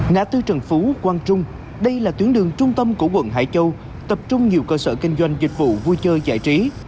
ngã tư trần phú quang trung đây là tuyến đường trung tâm của quận hải châu tập trung nhiều cơ sở kinh doanh dịch vụ vui chơi giải trí